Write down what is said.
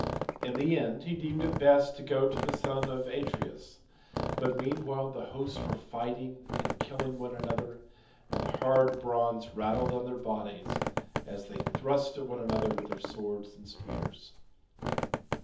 In the end he deemed it best to go to the son of Atreus; but meanwhile the hosts were fighting and killing one another, and the hard bronze rattled on their bodies, as they thrust at one another with their swords and spears.